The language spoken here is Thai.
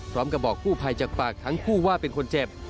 พร้อมกับบอกกู้ภัยจากปากทั้งคู่ว่าเป็นคนเจ็บ